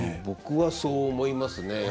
僕はそう思いますね。